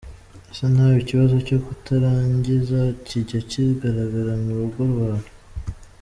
Ese nawe ikibazo cyo kutarangiza kijya kigaragara mu rugo rwawe ?.